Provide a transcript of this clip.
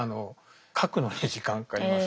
書くのに時間かかります。